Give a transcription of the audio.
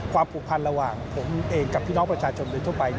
ผูกพันระหว่างผมเองกับพี่น้องประชาชนโดยทั่วไป